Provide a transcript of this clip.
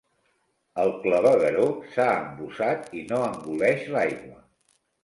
El clavegueró s'ha embussat i no engoleix l'aigua.